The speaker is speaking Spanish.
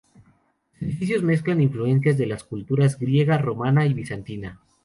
Los edificios mezclan influencias de las culturas griega, romana y bizantina.